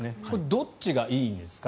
どっちがいいんですか。